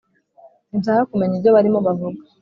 sinshaka kumenya ibyo barimo kuvuga